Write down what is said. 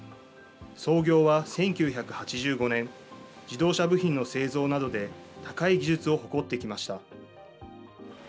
創業は１９８５年、自動車部品の製造などで、高い技術を誇ってきました。